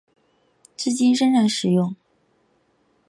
至今仍然使用。